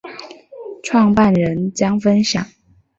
创办人将分享